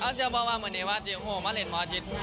อาจจะบอกว่าวันนี้ว่าเจ้าห่วงมาเล่นมอเจศ